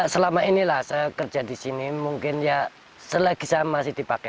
selama inilah saya kerja di sini mungkin ya selagi saya masih dipakai